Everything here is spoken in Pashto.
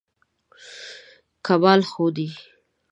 کمال ښودی.